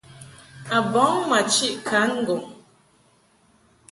A bɔŋ ma chiʼ kan ŋgɔŋ.